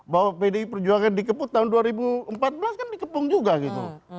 bahwa pdi perjuangan dikepung tahun dua ribu empat belas kan dikepung juga gitu